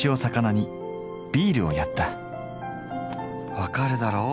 分かるだろう